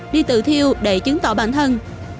đi tự thiêu để chứng tỏ bản thân